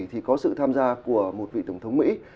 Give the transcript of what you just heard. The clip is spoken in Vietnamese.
thì có sự tham gia của một vị tổng thống mỹ